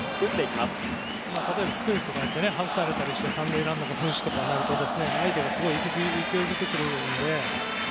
例えばスクイズとかやって外されたりして３塁ランナーが憤死とかになると相手が勢いづくので。